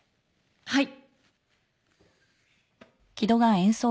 はい。